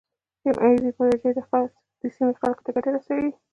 سیمه ایزې پروژې د سیمې خلکو ته ګټه رسوي.